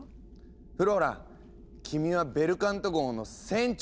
フローラ君はベルカント号の船長になるんだ。